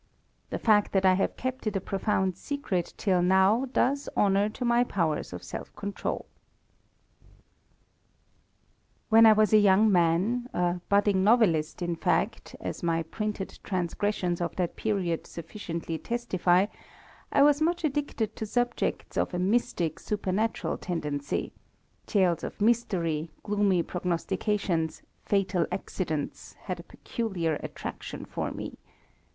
The fact that I have kept it a profound secret till now does honour to my powers of self control. When I was a young man, a budding novelist, in fact, as my printed transgressions of that period sufficiently testify, I was much addicted to subjects of a mystic, supernatural tendency; tales of mystery, gloomy prognostications, fatal accidents, had a peculiar attraction for me.